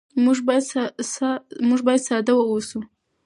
موږ باید ساده واوسو.